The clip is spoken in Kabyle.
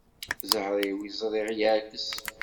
Ẓẓher-iw i ẓriɣ yeɛkes.